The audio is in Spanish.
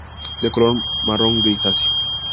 De color marrón grisáceo.